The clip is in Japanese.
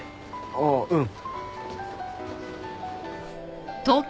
ああうん。